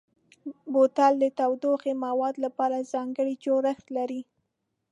بوتل د تودوخهيي موادو لپاره ځانګړی جوړښت لري.